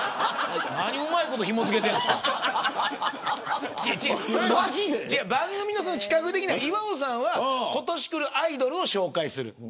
何うまいことひも付けてるんですか。番組の企画的には岩尾さんは今年くるアイドルを紹介する。